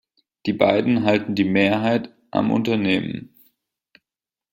Die beiden halten die Mehrheit am Unternehmen.